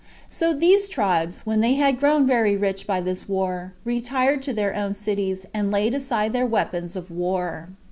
So these tribes, when they were grown very rich by this war, retired to their own cities, and laid aside their weapons of war.